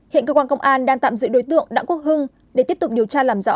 hiện cơ quan công an đang tạm giữ đối tượng đặng quốc hưng để tiếp tục điều tra làm rõ